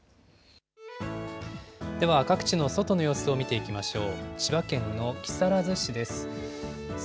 では、各地の外の様子を見ていきましょう。